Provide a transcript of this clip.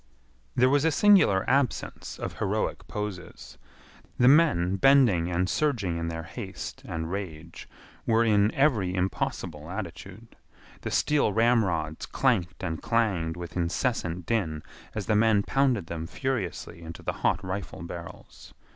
There was a singular absence of heroic poses. The men bending and surging in their haste and rage were in every impossible attitude. The steel ramrods clanked and clanged with incessant din as the men pounded them furiously into the hot rifle barrels.